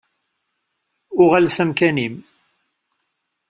Uɣal s amkan-im.